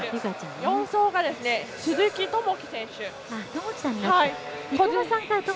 ４走が鈴木朋樹選手。